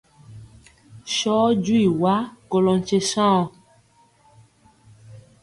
Sɔɔ jwi wa kolɔ nkye saŋ wɔ.